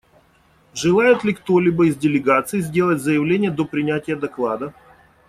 Желает ли кто-либо из делегаций сделать заявление до принятия доклада?